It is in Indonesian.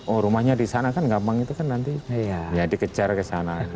oh rumahnya di sana kan gampang itu kan nanti ya dikejar ke sana